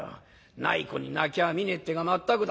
ない子に泣きはみねえっていうが全くだ